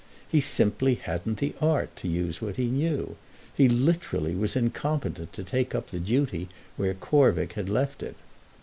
He simply hadn't the art to use what he knew; he literally was incompetent to take up the duty where Corvick had left it.